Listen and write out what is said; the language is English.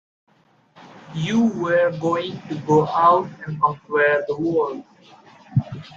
You were going to go out and conquer the world!